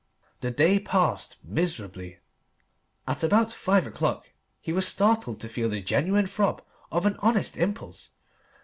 The day passed miserably. At about five o'clock he was startled to feel the genuine throb of an honest impulse.